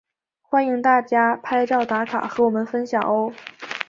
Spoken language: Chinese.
欢迎大家拍照打卡和我们分享喔！